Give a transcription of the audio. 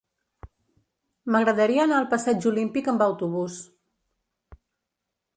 M'agradaria anar al passeig Olímpic amb autobús.